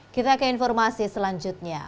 kita ke informasi selanjutnya